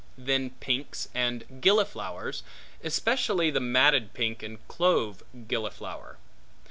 Then pinks and gilliflowers, especially the matted pink and clove gilliflower.